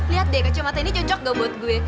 lihat deh kacamata ini cocok gak buat gue